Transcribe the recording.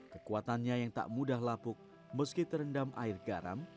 kekuatannya yang tak mudah lapuk meski terendam air garam